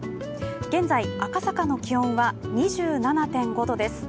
現在、赤坂の気温は２７．５度です。